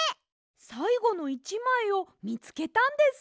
さいごの１まいをみつけたんですね！